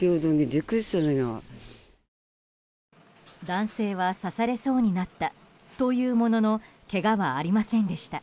男性は刺されそうになったというもののけがはありませんでした。